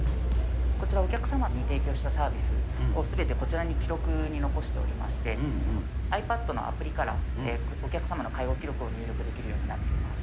こちら、お客様に提供したサービスをすべてこちらに記録に残しておりまして、ｉＰａｄのアプリから、お客様の介護記録を入力できるようになっています。